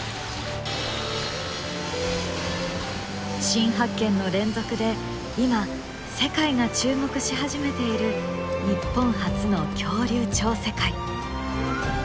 新発見の連続で今世界が注目し始めている日本発の恐竜超世界。